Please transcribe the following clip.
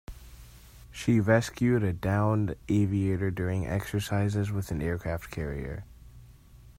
She rescued a downed aviator during exercises with an aircraft carrier.